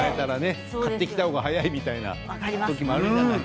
買ってきた方が早いみたいな時もあるじゃない？